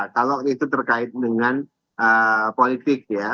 kalau itu terkait dengan politik ya